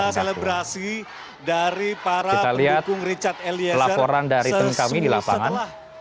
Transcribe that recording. kita lihat laporan dari teman kami di lapangan